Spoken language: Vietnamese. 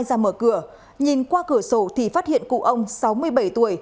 người phụ nữ đã ra mở cửa nhìn qua cửa sổ thì phát hiện cụ ông sáu mươi bảy tuổi